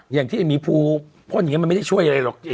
อย่างที่มีภูพ่นอย่างนี้มันไม่ได้ช่วยอะไรหรอก